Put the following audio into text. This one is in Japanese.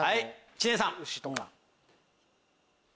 知念さん。